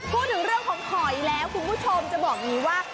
พูดถึงเรื่องของห่อยแล้วคุณผู้ชมจะบอกว่า